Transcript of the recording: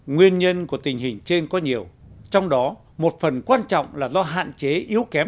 nguyên nhân của tình hình trên có nhiều trong đó một phần quan trọng là do hạn chế yếu kém